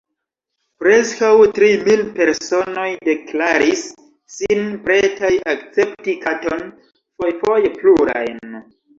Preskaŭ tri mil personoj deklaris sin pretaj akcepti katon – fojfoje plurajn.